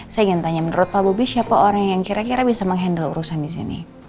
saya ingin tanya menurut pak bobi siapa orang yang kira kira bisa menghandle urusan di sini